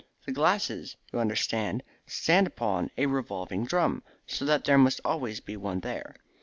The glasses, you understand, stand upon a revolving drum, so that there must always be one there.